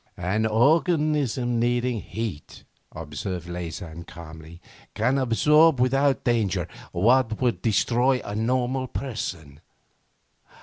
'An organism needing heat,' observed Leysin calmly, 'can absorb without danger what would destroy a normal person.